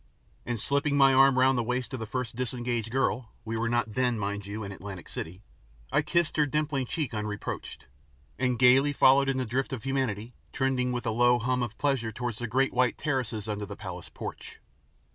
And slipping my arm round the waist of the first disengaged girl we were not then, mind you, in Atlantic City I kissed her dimpling cheek unreproached, and gaily followed in the drift of humanity, trending with a low hum of pleasure towards the great white terraces under the palace porch.